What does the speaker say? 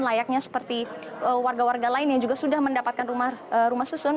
layaknya seperti warga warga lain yang juga sudah mendapatkan rumah susun